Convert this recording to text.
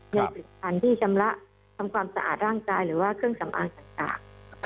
ในผลิตภัณฑ์ที่ชำระทำความสะอาดร่างกายหรือว่าเครื่องสำอางต่าง